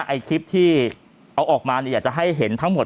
ไอ้คลิปที่เอาออกมาเนี่ยอยากจะให้เห็นทั้งหมด